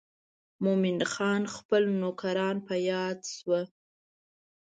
مومن خان خپل نوکران په یاد شول.